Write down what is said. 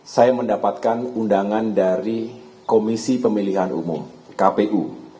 saya mendapatkan undangan dari komisi pemilihan umum kpu